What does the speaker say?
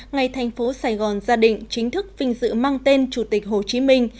ngày thành phố sài gòn ra định chính thức vinh dự mang tên chủ tịch hồ chí minh